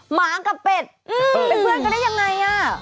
หมากับเป็ดเป็นเพื่อนกันได้ยังไงอ่ะ